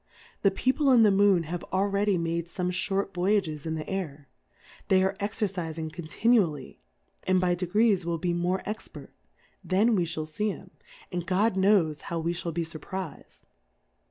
The People in the Moon have al ready made fome fliort Voyages in the Aiv , they are exercifing continually, and by degrees will be more expert, then we fhall fee 'em, and God knows how we fhall be furpriz'd.